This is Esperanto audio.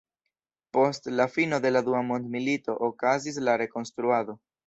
Post la fino de la Dua Mondmilito okazis la rekonstruado.